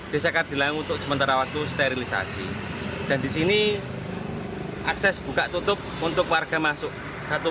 desa kadilangu untuk sementara waktu sterilisasi dan disini akses buka tutup untuk warga masuk satu